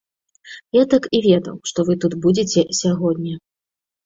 Я так і ведаў, што вы тут будзеце сягоння.